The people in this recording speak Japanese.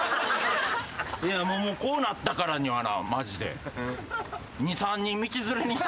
もうこうなったからにはなマジで。